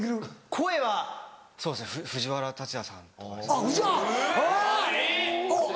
声はそうですね藤原竜也さんとか。